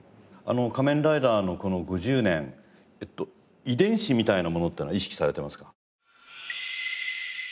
『仮面ライダー』のこの５０年遺伝子みたいなものっていうのは意識されてますか？